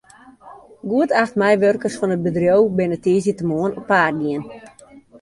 Goed acht meiwurkers fan it bedriuw binne tiisdeitemoarn op paad gien.